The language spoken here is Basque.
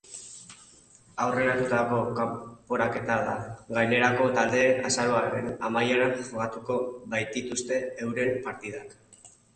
Aurreratutako kanporaketa da, gainerako taldeek azaroaren amaieran jokatuko baitituzte euren partidak.